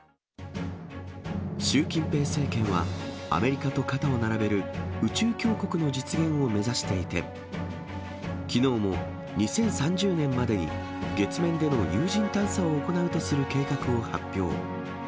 習近平政権は、アメリカと肩を並べる宇宙強国の実現を目指していて、きのうも２０３０年までに、月面での有人探査を行うとする計画を発表。